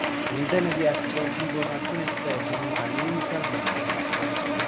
All'interno di esso vivono alcune specie animali uniche al mondo.